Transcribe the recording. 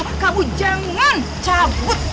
nuduh kamu yang gangga